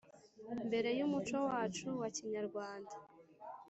mbere y’umuco wacu wa Kinyarwanda